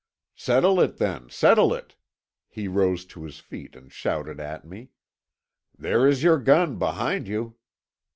"Settle it then, settle it," he rose to his feet and shouted at me. "There is your gun behind you."